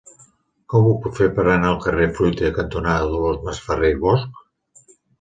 Com ho puc fer per anar al carrer Fruita cantonada Dolors Masferrer i Bosch?